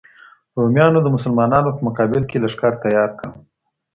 روميانو د مسلمانانو په مقابل کي لښکر تيار کړ.